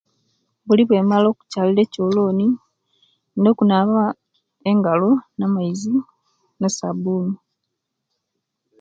Buli owemara okucharira echoloni indina okunaba engalo na amaizi ne sabuni